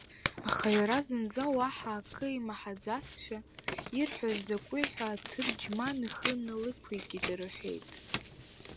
Аха иара зынӡа уаҳа акы ааимаҳаӡазшәа, ирҳәаз закәи ҳәа аҭырџьман ихы налықәикит, рҳәеит…